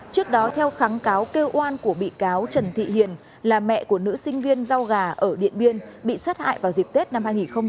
trước đó theo kháng cáo kêu oan của bị cáo trần thị hiền là mẹ của nữ sinh viên rau gà ở điện biên bị sát hại vào dịp tết năm hai nghìn một mươi chín